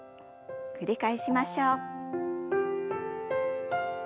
繰り返しましょう。